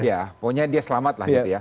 ya pokoknya dia selamat lah gitu ya